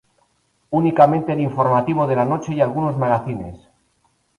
Únicamente el informativo de la noche y algunos magacines.